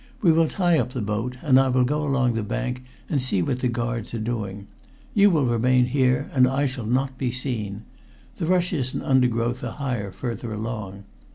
"We will tie up the boat, and I will go along the bank and see what the guards are doing. You will remain here, and I shall not be seen. The rushes and undergrowth are higher further along.